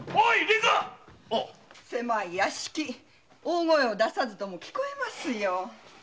狭い屋敷大声を出さずとも聞こえますよ。